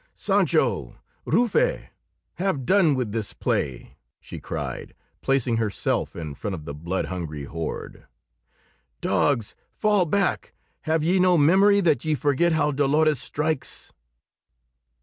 "Sancho! Rufe! Have done with this play!" she cried, placing herself in front of the blood hungry horde. "Dogs, fall back! Have ye no memory that ye forget how Dolores strikes?"